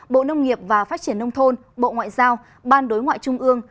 bộ nông nghiệp và phát triển nông thôn bộ ngoại giao ban đối ngoại trung ương